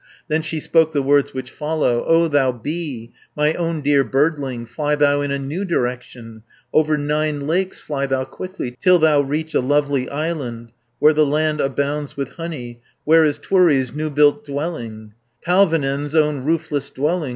420 Then she spoke the words which follow: "O thou bee, my own dear birdling, Fly thou in a new direction, Over nine lakes fly thou quickly Till thou reach a lovely island, Where the land abounds with honey, Where is Tuuri's new built dwelling, Palvonen's own roofless dwelling.